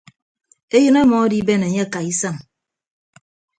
Eyịn ọmọ adiben enye akaaisañ.